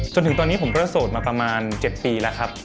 จนถึงตอนนี้ผมก็โสดมาประมาณ๗ปีแล้วครับ